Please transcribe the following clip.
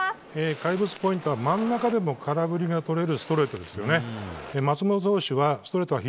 怪物ポイントは真ん中でも空振りがとれるストレートです。